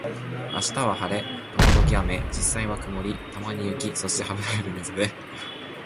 明日は晴れ、時々雨、実際は曇り、たまに雪、そしてハブられるみぞれ